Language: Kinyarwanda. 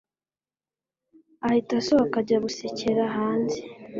ahita asohoka ajya gusekera hanze